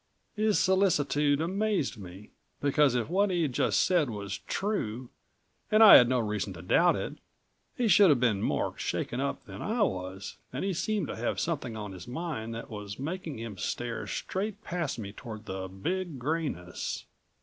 His solicitude amazed me, because if what he'd just said was true and I had no reason to doubt it he should have been more shaken up than I was and he seemed to have something on his mind that was making him stare straight past me toward the Big Grayness.